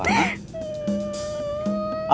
lagi tidak tawa